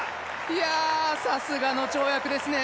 いや、さすがの跳躍ですね